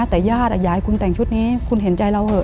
แต่ญาติอยากให้คุณแต่งชุดนี้คุณเห็นใจเราเหอ